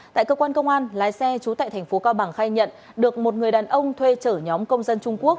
tại cơ quan công an lái xe trú tại thành phố cao bằng khai nhận được một người đàn ông thuê chở nhóm công dân trung quốc